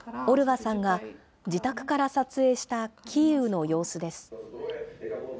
オルガさんが自宅から撮影したキーウの様子です。